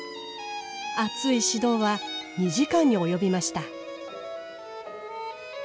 熱い指導は２時間に及びました。